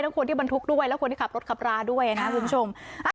คนที่บรรทุกด้วยและคนที่ขับรถขับราด้วยนะครับคุณผู้ชม